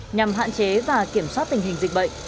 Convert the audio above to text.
nhằm hạn chế và kiểm soát tình hình dịch bệnh